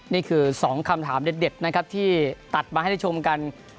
นี่คือ๒คำถามเด็ดนะครับที่ตัดมาให้ได้ชมกัน